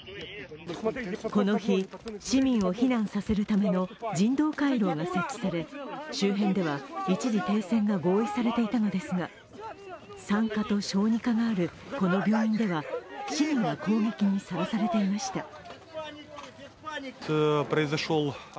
この日、市民を避難させるための人道回廊が設置され周辺では一時停戦が合意されていたのですが産科と小児科があるこの病院では、市民が攻撃にさらされていました。